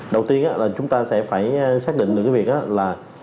đầu tiên là chúng ta sẽ phải xác định được cái việc là